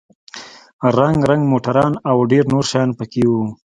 رنگ رنگ موټران او ډېر نور شيان پکښې وو.